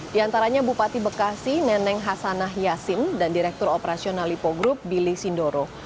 di antaranya bupati bekasi neneng hasanah yasin dan direktur operasional lipo group billy sindoro